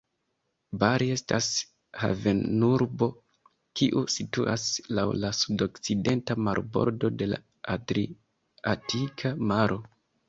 Bari estas havenurbo, kiu situas laŭ la sudokcidenta marbordo de la Adriatika Maro.